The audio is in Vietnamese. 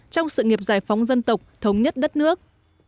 trong sự nghiệp giải phóng dân tộc thống nhất đất nước